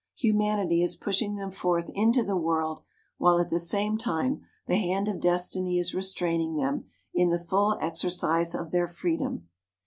Humanity is pushing them forth into the world while at the same time the hand of Destiny is restraining them in the full exercise of their freedom.